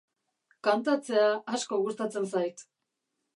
kantatzea asko gustatzen zait